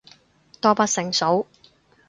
多不勝數